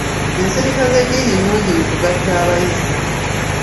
Ensirika z'edddiini nungi mu kugatta abayizi.